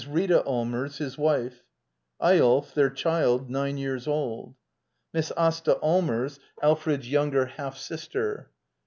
Rita Allmers, his wife. Eyolf, their child, nine years old. Miss Asta Allmers, Alfred's younger half sister.